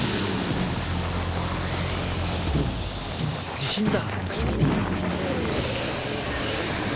地震だ！